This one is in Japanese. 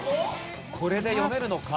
これで読めるのか？